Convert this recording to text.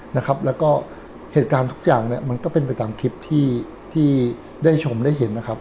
แล้วก็เหตุการณ์ทุกอย่างเนี่ยมันก็เป็นไปตามคลิปที่ที่ได้ชมได้เห็นนะครับ